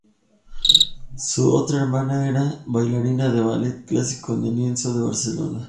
Su otra hermana, era bailarina de ballet clásico en el Liceo de Barcelona.